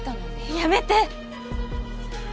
やめて！